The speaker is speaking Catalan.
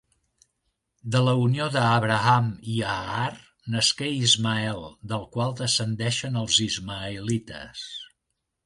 De la unió d'Abraham i Agar nasqué Ismael, del qual descendeixen els ismaelites.